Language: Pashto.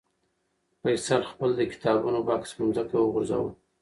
فیصل خپل د کتابونو بکس په ځمکه وغورځاوه.